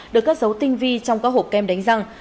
được cất dấu tinh vi trong các hộp kem đánh răng